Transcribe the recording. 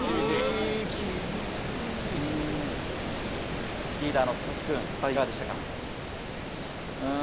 ・厳しい・リーダーの佐々木君いかがでしたか？